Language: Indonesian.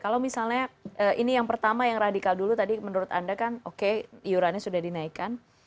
kalau misalnya ini yang pertama yang radikal dulu tadi menurut anda kan oke iurannya sudah dinaikkan